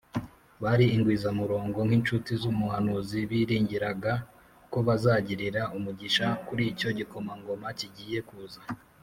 Bari ingwiza murongo. Nk’inshuti z’umuhanuzi, biringiraga ko bazagirira umugisha kur’icyo gikomangoma kigiye kuza